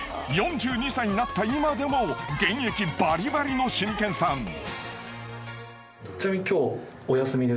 ４２歳になった今でも現役バリバリのしみけんさん。